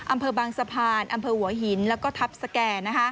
อำเภอบางสะพานอำเภอหัวหินแล้วก็ทัพสแก่